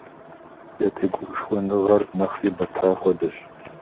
Я тегушхуэныгъэр нэхъри бэта хуэдэщ.